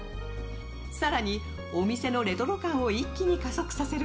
更に、お店のレトロ感を一気に加速させる